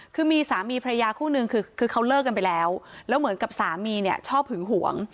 คือมีสามีพระยาคู่นึงคือเขาเลิกกันไปแล้วแล้วเหมือนกับสามีเนี่ยชอบหึงหวง